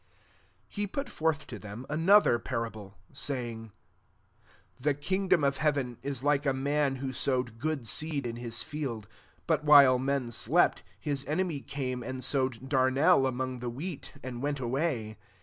'' 24 He put forth to them ano ther parable, saying, The kingdom of heaven is like a man who sowed good seed in his field: ^ but while men slept, his enemy came and sow ed darnel among the wheat, and went away.